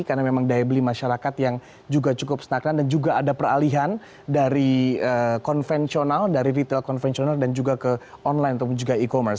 karena memang daya beli masyarakat yang juga cukup stagnan dan juga ada peralihan dari konvensional dari retail konvensional dan juga ke online atau juga e commerce